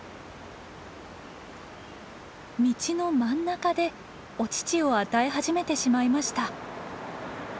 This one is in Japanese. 道の真ん中でお乳を与え始めてしまいました。